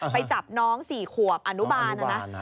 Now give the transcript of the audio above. ไปจับน้องสี่ขวบอนุบาล